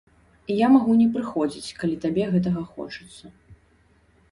Я магу не прыходзіць, калі табе гэтага хочацца.